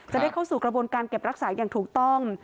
จะได้เข้าสู่กระบวนการเก็บรักษาอย่างถูกต้อง